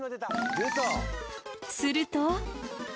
すると。